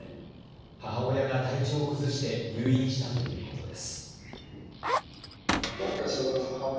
母親が体調を崩して入院したということです。